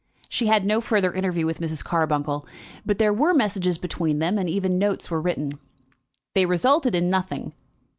She had no further interview with Mrs. Carbuncle, but there were messages between them, and even notes were written. They resulted in nothing.